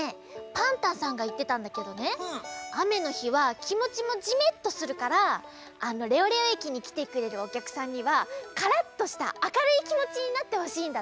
パンタンさんがいってたんだけどねあめのひはきもちもじめっとするからレオレオえきにきてくれるおきゃくさんにはカラッとしたあかるいきもちになってほしいんだって。